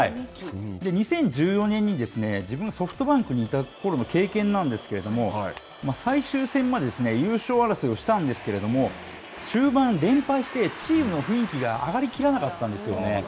２０１４年に、自分がソフトバンクにいたころの経験なんですけれども、最終戦まで優勝争いをしたんですけれども、終盤、連敗して、チームの雰囲気が上がりきらなかったんですよね。